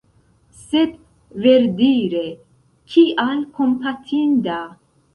Sed, verdire, kial kompatinda?